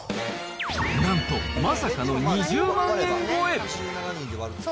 なんと、まさかの２０万円超え。